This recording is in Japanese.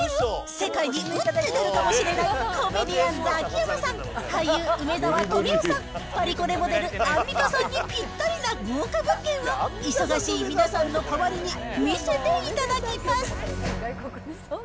世界に打って出るかもしれないコメディアン、ザキヤマさん、俳優、梅沢富美男さん、パリコレモデル、アンミカさんにぴったりな豪華物件を、忙しい皆さんの代わりに、見せていただきます。